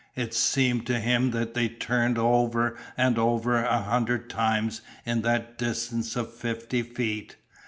It seemed to him that they turned over and over a hundred times in that distance of fifty feet.